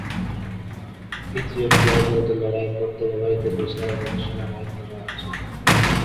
ইথিওপিয়ার বিরুদ্ধে লড়াই করতে ব্যবহৃত বেশিরভাগ উপাদান সেনাবাহিনী থেকে নেওয়া হয়েছিল।